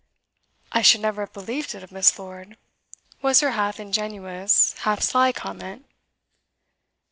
'I should never have believed it of Miss. Lord,' was her half ingenuous, half sly comment.